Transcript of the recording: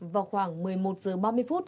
vào khoảng một mươi một h ba mươi phút